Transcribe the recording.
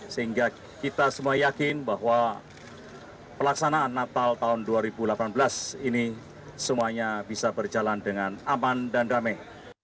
sehingga kita semua yakin bahwa pelaksanaan natal tahun dua ribu delapan belas ini semuanya bisa berjalan dengan aman dan damai